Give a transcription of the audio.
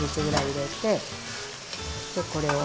でこれを。